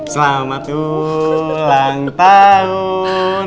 selamat ulang tahun